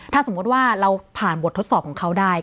ถ้าสมมุติว่าเราผ่านบททดสอบของเขาได้